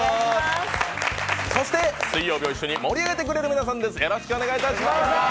そして水曜日を一緒に盛り上げてくださる皆さんです。